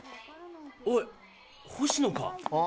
おい星野か？